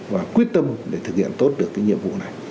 và quyết tâm để thực hiện tốt được cái nhiệm vụ này